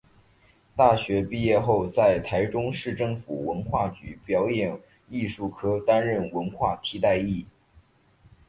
大学毕业后在台中市政府文化局表演艺术科担任文化替代役。